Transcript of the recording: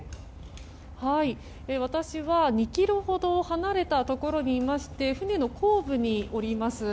私は２ｋｍほど離れたところにいまして船の後部におります。